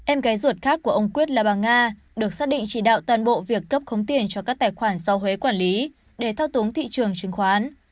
em gái ruột khác của ông quyết là bà nga được xác định chỉ đạo toàn bộ việc cấp khống tiền cho các tài khoản do huế quản lý để thao túng thị trường chứng khoán